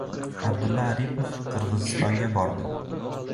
Abdulla Aripov Qirg‘izistonga bordi